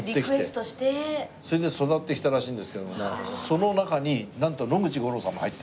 それで育ってきたらしいんですけどもねその中になんと野口五郎さんも入っている。